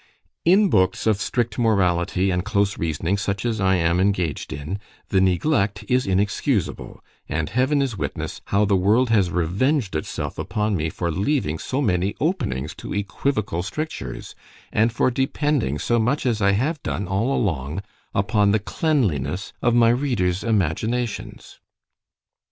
In books of strict morality and close reasoning, such as I am engaged in—the neglect is inexcusable; and Heaven is witness, how the world has revenged itself upon me for leaving so many openings to equivocal strictures—and for depending so much as I have done, all along, upon the cleanliness of my readers imaginations.